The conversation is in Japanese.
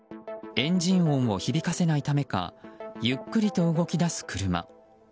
エンジン音を響かせないためかゆっくりと動き出す車。